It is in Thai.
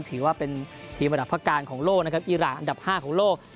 ถือว่าเป็นทีมระดับพระการของโลกนะครับอีรานอันดับ๕ของโลก